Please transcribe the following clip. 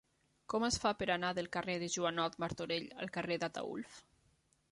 Com es fa per anar del carrer de Joanot Martorell al carrer d'Ataülf?